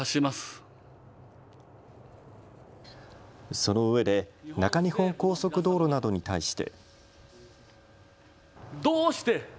そのうえで中日本高速道路などに対して。